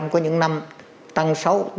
có những năm tăng sáu tám